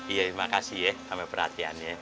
iya makasih ya sama perhatiannya